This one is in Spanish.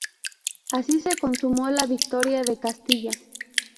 Así se consumó la victoria de Castilla.